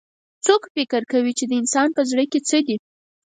څوک فکر کوي چې د انسان پهزړه کي څه دي